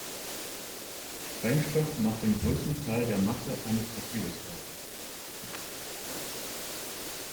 Sprengstoff macht den größten Teil der Masse eines Torpedos aus.